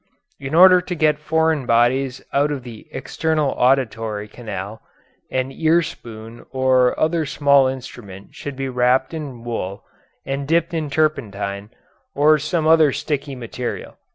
In order to get foreign bodies out of the external auditory canal, an ear spoon or other small instrument should be wrapped in wool and dipped in turpentine, or some other sticky material.